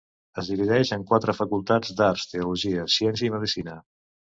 Es divideix en quatre facultats d'Arts, Teologia, Ciència i Medicina.